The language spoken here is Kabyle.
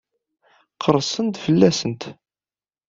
Qerrsen-d fell-asent?